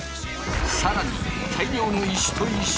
更に大量の石と一緒に。